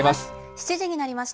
７時になりました。